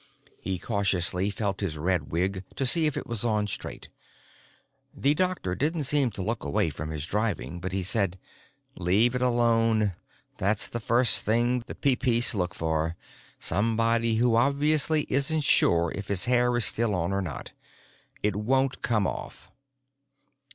He cautiously felt his red wig to see if it was on straight. The doctor didn't seem to look away from his driving, but he said: "Leave it alone. That's the first thing the Peepeece look for, somebody who obviously isn't sure if his hair is still on or not. It won't come off."